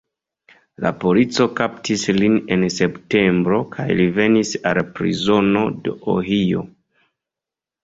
La polico kaptis lin en septembro kaj li venis al prizono de Ohio.